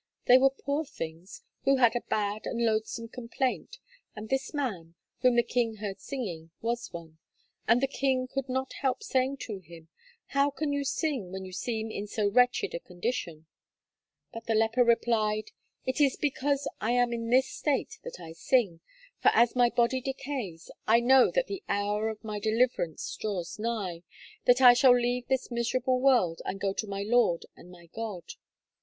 they were poor things, who had a bad and loathsome complaint, and this man, whom the king heard singing, was one; and the king could not help saying to him, 'how can you sing when you seem in so wretched a condition?' But the leper replied, 'it is because I am in this state that I sing, for as my body decays, I know that the hour of my deliverance draws nigh, that I shall leave this miserable world, and go to my Lord and my God.'"